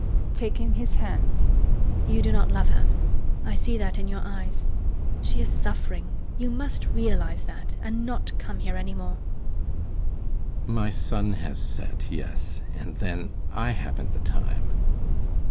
HELENA. [Taking his hand] You do not love her. I see that in your eyes. She is suffering. You must realise that, and not come here any more. ASTROFF. My sun has set, yes, and then I haven't the time.